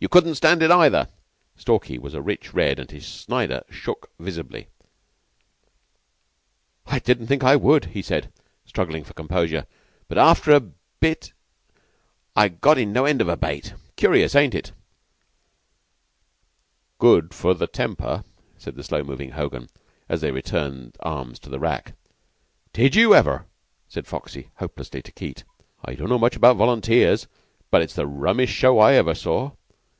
"You couldn't stand it, either." Stalky was a rich red, and his Snider shook visibly. "I didn't think I would," he said, struggling for composure, "but after a bit I got in no end of a bait. Curious, ain't it?" "Good for the temper," said the slow moving Hogan, as they returned arms to the rack. "Did you ever?" said Foxy, hopelessly, to Keyte. "I don't know much about volunteers, but it's the rummiest show I ever saw.